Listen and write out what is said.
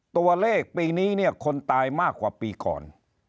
ตัวเลขปีนี้เนี่ยคนตายมากกว่าปีก่อน